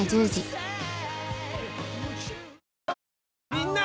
みんな！